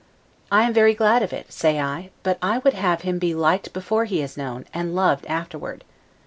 I am very glad of it, say I; but I would have him be liked before he is known, and loved afterward.